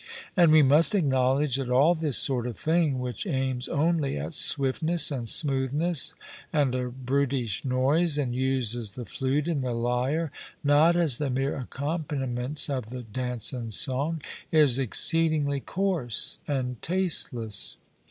And we must acknowledge that all this sort of thing, which aims only at swiftness and smoothness and a brutish noise, and uses the flute and the lyre not as the mere accompaniments of the dance and song, is exceedingly coarse and tasteless.